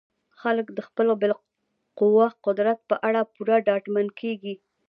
خلک د خپل بالقوه قدرت په اړه پوره ډاډمن کیږي.